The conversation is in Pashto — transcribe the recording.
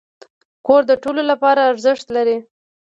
کور د ټولو لپاره ارزښت لري.